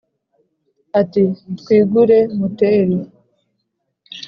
Ati: twigure Muteri*,